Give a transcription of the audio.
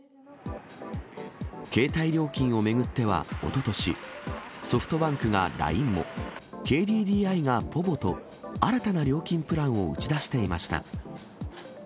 携帯料金を巡ってはおととし、ソフトバンクがラインモ、ＫＤＤＩがポヴォと、新たな料金プランを打ち出していました。